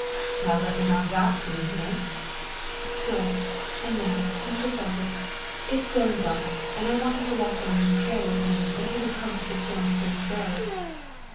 "I reckon I got to, Miss." "Good; and now, Mr. Selfridge, it is growing dark and I want you to walk down this trail with me until we come to the Storm Springs road."